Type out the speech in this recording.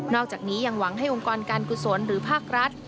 อกจากนี้ยังหวังให้องค์กรการกุศลหรือภาครัฐ